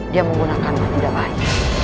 dia menggunakanmu tidak baik